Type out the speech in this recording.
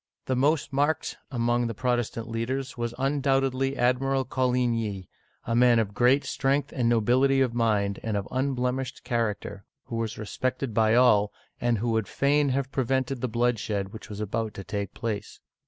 The most marked among the Protestant leaders was un doubtedly Admiral Coligny (co leen'yee), a man of great Digitized by VjOOQIC CHARLES IX. (1560 1574) 253 Strength and nobility of mind and of unblemished character, who was respected by all, and who would fain have pre vented the bloodshed which was about to take place.